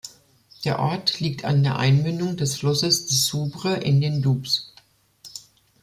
Der Ort liegt an der Einmündung des Flusses Dessoubre in den Doubs.